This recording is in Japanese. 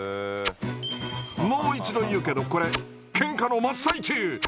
もう一度言うけどこれケンカの真っ最中。えかわいい。